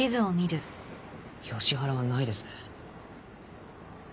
ヨシ原はないですね。